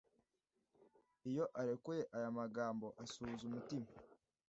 Iyo yarekuye aya magambo asuhuza umutima